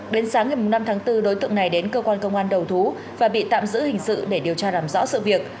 đến sáng ngày năm tháng bốn đối tượng này đến cơ quan công an đầu thú và bị tạm giữ hình sự để điều tra làm rõ sự việc